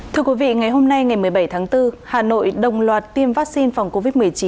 thưa quý vị ngày hôm nay ngày một mươi bảy tháng bốn hà nội đồng loạt tiêm vaccine phòng covid một mươi chín